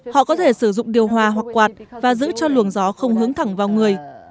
họ có thể sử dụng điều hòa hoặc quạt và giữ cho luồng gió không hướng thẳng vào người